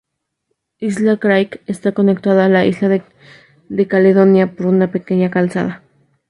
Isla Craig está conectada a la isla de Caledonia por una pequeña calzada.